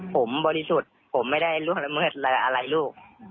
ผมบริสุทธิ์ผมไม่ได้ล่วงละเมิดอะไรลูก